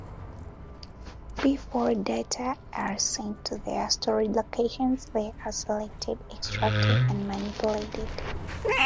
Before data are sent to their storage locations, they are selected, extracted, and manipulated.